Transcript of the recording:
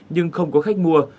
nhưng không có khách mua